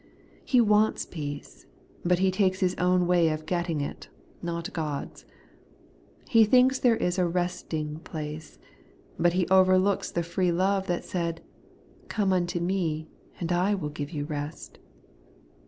He wants peace ; but he takes his own way of getting it, not God's. He thinks there is a resting place ; but he overlooks the free love that said, ' Come unto me, and I will give you rest.'